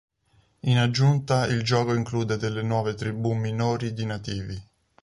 In aggiunta, il gioco include delle nuove tribù minori di nativi.